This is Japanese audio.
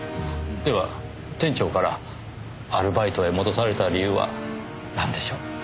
では店長からアルバイトへ戻された理由はなんでしょう？